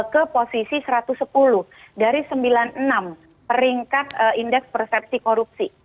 ke posisi satu ratus sepuluh dari sembilan puluh enam peringkat indeks persepsi korupsi